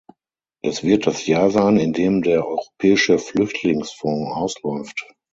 Es wird das Jahr sein, in dem der Europäische Flüchtlingsfonds ausläuft.